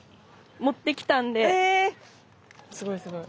すごいすごい。